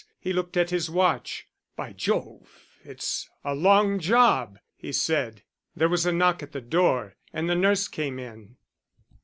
He looked at his watch. "By Jove, it's a long job," he said. There was a knock at the door, and the nurse came in.